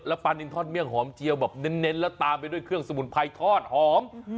ปลานินทอดเมี่ยงหอมเจียวแบบเน้นแล้วตามไปด้วยเครื่องสมุนไพรทอดหอม